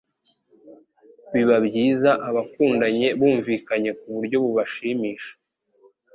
biba byiza abakundanye bumvikanye ku buryo bubashimisha